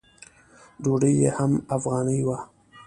ډوډۍ یې هم افغاني وه.